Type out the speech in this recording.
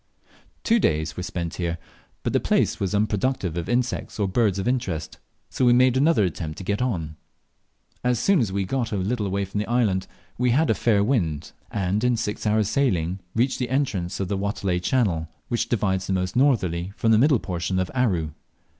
Two days were spent here, but the place was unproductive of insects or birds of interest, so we made another attempt to get on. As soon as we got a little away from the land we had a fair wind, and in six hours' sailing reached the entrance of the Watelai channel, which divides the most northerly from the middle portion of Aru.